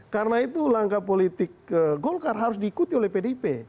karena itu langkah politik golkar harus diikuti oleh pdip